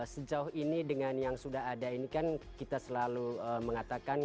sejauh ini dengan yang sudah ada ini kan kita selalu mengatakan